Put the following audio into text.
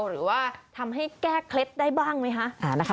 หรือว่าทำให้แก้เคล็ดได้บ้างไหมคะ